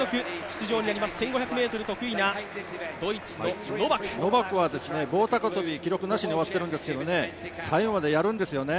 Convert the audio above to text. １５００ｍ出場のノバクは棒高跳記録なしで終わってるんですけど最後までやるんですよね。